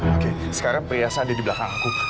oke sekarang priyasa ada di belakangku